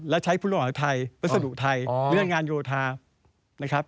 และใช้ผู้ร่วมอาหารไทยวัสดุไทยเรื่องงานโยธา